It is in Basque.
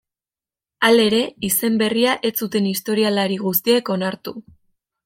Halere, izen berria ez zuten historialari guztiek onartu.